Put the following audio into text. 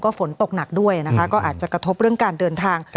ฝนตกหนักด้วยนะคะก็อาจจะกระทบเรื่องการเดินทาง